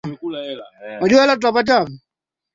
alisoma uchumi katika chuo kikuu cha dar es salaam